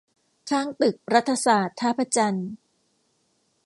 ข้างตึกรัฐศาสตร์ ท่าพระจันทร์